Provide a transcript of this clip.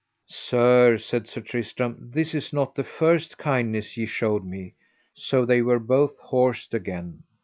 Sir, said Sir Tristram, this is not the first kindness ye showed me. So they were both horsed again.